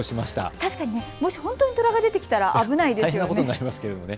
確かに、もし本当に虎が出てきたら危ないですよね。